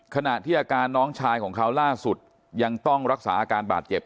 ขณะที่อาการน้องชายของเขาล่าสุดยังต้องรักษาอาการบาดเจ็บ